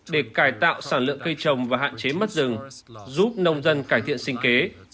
để cải tạo sản lượng cây trồng và hạn chế mất rừng giúp nông dân cải thiện sinh kế